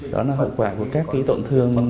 đó là hậu quả của các tổn thương